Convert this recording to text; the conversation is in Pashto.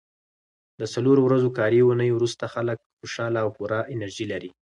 د څلورو ورځو کاري اونۍ وروسته خلک خوشاله او پوره انرژي لري.